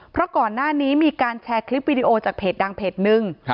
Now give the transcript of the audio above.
เพราะก่อนหน้านี้มีการแชร์คลิปวิดีโอจากเพจดังเพจนึง